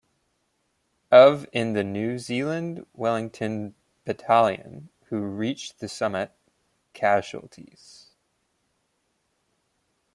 Of in the New Zealand Wellington Battalion who reached the summit, casualties.